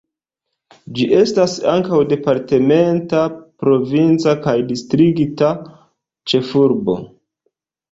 Ĝi estas ankaŭ departementa, provinca kaj distrikta ĉefurbo.